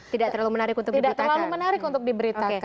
tidak terlalu menarik untuk diberitakan